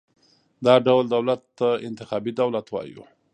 دا ډول دولت ته انتخابي دولت وایو.